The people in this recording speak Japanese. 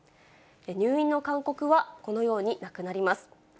入院の勧告はこのようになくなります。